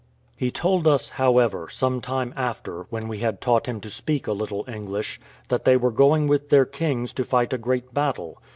He told us, however, some time after, when we had taught him to speak a little English, that they were going with their kings to fight a great battle.